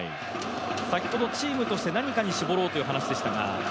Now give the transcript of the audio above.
先ほどチームとして何かに絞ろうという話でしたが。